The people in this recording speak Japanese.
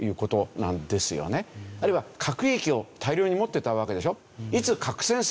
あるいは核兵器を大量に持ってたわけでしょ。